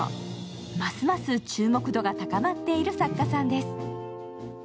ますます注目度が高まっている作家さんです。